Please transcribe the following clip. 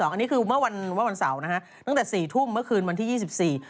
อันนี้คือเมื่อวันเสาร์นะฮะตั้งแต่๔ทุ่มเมื่อคืนวันที่๒๔